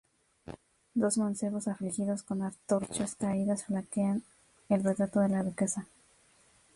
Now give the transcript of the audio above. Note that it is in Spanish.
Dos mancebos afligidos con antorchas caídas flanquean el retrato de la duquesa.